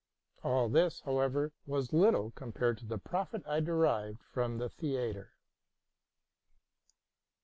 All this, how ever, was little compared to the profit I derived from the theatre.